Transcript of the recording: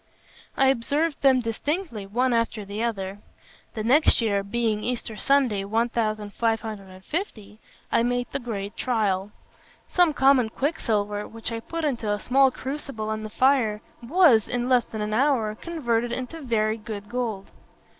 I observed them distinctly, one after the other; and next year, being Easter Sunday, 1550, I made the great trial. Some common quicksilver, which I put into a small crucible on the fire, was, in less than an hour, converted into very good gold.